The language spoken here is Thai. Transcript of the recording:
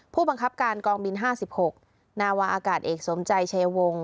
ผู้บังคับการกองบิน๕๖นาวาอากาศเอกสมใจชายวง